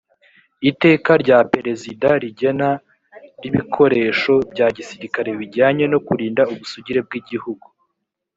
iteka rya perezida rigena rbikoresho bya gisirikare bijyanye no kurinda ubusugire bw igihugu